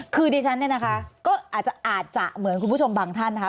คือดิฉันเนี่ยนะคะก็อาจจะเหมือนคุณผู้ชมบางท่านนะคะ